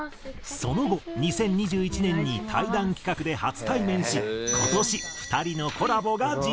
その後２０２１年に対談企画で初対面し今年２人のコラボが実現。